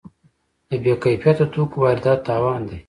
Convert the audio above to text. د بې کیفیت توکو واردات تاوان دی.